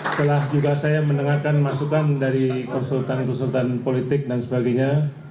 setelah juga saya mendengarkan masukan dari konsultan konsultan politik dan sebagainya